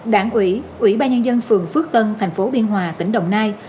đảng ủy ủy ba nhân dân phường phước tân tp biên hòa tỉnh đồng nai